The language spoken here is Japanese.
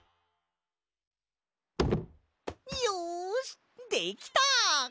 よしできた！